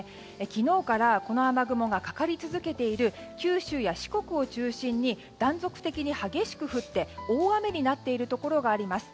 昨日からこの雨雲がかかり続けている九州や四国を中心に断続的に激しく降って大雨になっているところがあります。